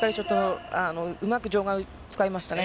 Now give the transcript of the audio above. うまく場外を使いましたね。